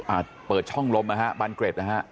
เปิดช่องลมนะฮะบานเกร็ดนะฮะ